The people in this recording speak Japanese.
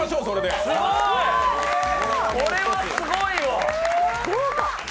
これはすごいわ。